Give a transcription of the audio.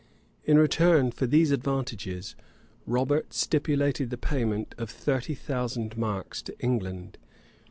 [*] In return for these advantages, Robert stipulated the payment of thirty thousand marks to England.